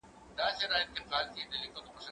زه اجازه لرم چي ځواب وليکم؟؟